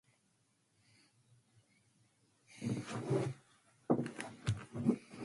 Urine was so important to the fulling business that it was taxed.